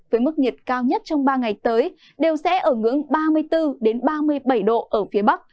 với mức nhiệt cao nhất trong ba ngày tới đều sẽ ở ngưỡng ba mươi bốn ba mươi bảy độ ở phía bắc